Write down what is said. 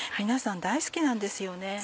皆さん大好きなんですよね。